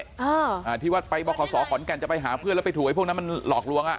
อ่าอ่าที่ว่าไปบขสอขอนแก่นจะไปหาเพื่อนแล้วไปถูกไอ้พวกนั้นมันหลอกลวงอ่ะ